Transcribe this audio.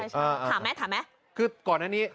ถามไหม